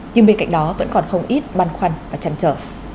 nhưng bên cạnh đó vẫn còn không ít băn khoăn và chăn trở